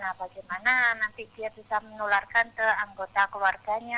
nah bagaimana nanti dia bisa menularkan ke anggota keluarganya